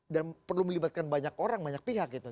dan perlu melibatkan banyak orang banyak pihak gitu